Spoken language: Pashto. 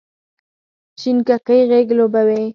شینککۍ غیږ لوبوې،